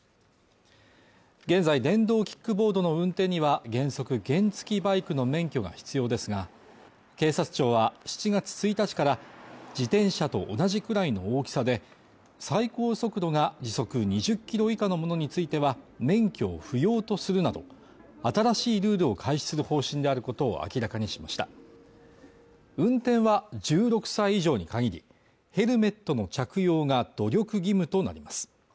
現在電動キックボードの運転には原則原付バイクの免許が必要ですが警察庁は７月１日から自転車と同じくらいの大きさで最高速度が時速２０キロ以下のものについては免許を不要とするなど新しいルールを開始する方針であることを明らかにしました運転は１６歳以上に限りヘルメットの着用が努力義務となります